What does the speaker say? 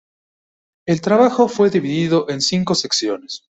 El trabajo fue dividido en cinco secciones.